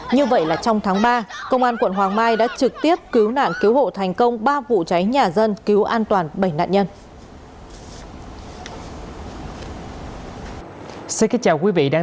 như vậy là trong tháng ba công an quận hoàng mai đã trực tiếp cứu nạn cứu hộ thành công ba vụ cháy nhà dân cứu an toàn bảy nạn nhân